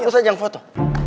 aku saja yang foto